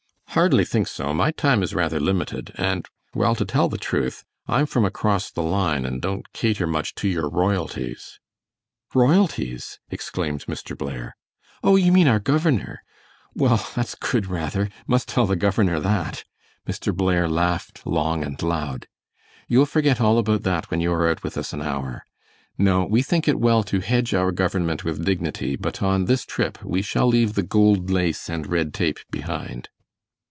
"Hardly think so; my time is rather limited, and, well, to tell the truth; I'm from across the line and don't cater much to your royalties." "Royalties!" exclaimed Mr. Blair. "Oh, you mean our governor. Well, that's good rather, must tell the governor that." Mr. Blair laughed long and loud. "You'll forget all that when you are out with us an hour. No, we think it well to hedge our government with dignity, but on this trip we shall leave the gold lace and red tape behind."